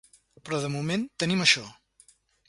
Però de moment, tenim això.